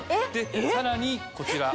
さらにこちら。